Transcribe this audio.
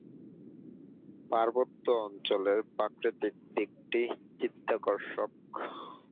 পার্বত্য অঞ্চলের প্রাকৃতিক দিকটি চিত্তাকর্ষক।